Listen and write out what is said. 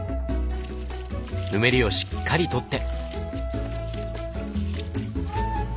ぬめりをしっかり取って。